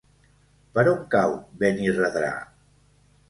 Per on cau Benirredrà?